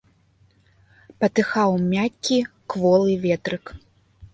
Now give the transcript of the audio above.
Патыхаў мяккі, кволы ветрык.